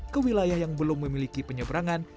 ke wilayah yang belum memiliki penyeberangan